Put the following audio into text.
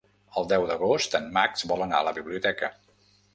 El deu d'agost en Max vol anar a la biblioteca.